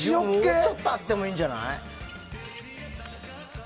もうちょっとあってもいいんじゃない？